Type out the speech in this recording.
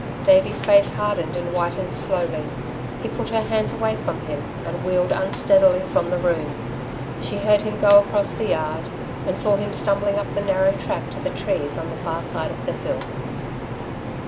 Davey's face hardened and whitened slowly. He put her hands away from him and wheeled unsteadily from the room. She heard him go across the yard, and saw him stumbling up the narrow track to the trees on the far side of the hill.